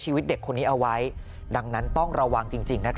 ชีวิตเด็กคนนี้เอาไว้ดังนั้นต้องระวังจริง